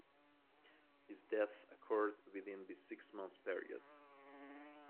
His death occurred within this six-month period.